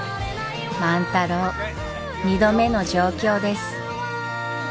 万太郎２度目の上京です。